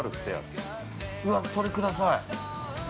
わっ、それください。